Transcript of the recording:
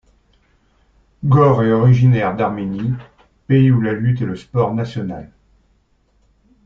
Gor est originaire d’Arménie, pays où la lutte est le sport national.